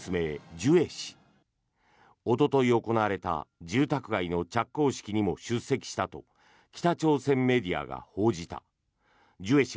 ジュエ氏おととい行われた住宅街の着工式にも出席したとピックアップ